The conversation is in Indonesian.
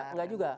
ya enggak juga